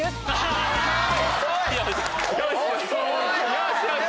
よしよし！